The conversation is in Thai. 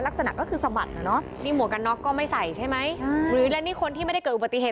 ลักษณะก็คือสะบัดอ่ะเนอะนี่หมวกกันน็อกก็ไม่ใส่ใช่ไหมหรือและนี่คนที่ไม่ได้เกิดอุบัติเหตุ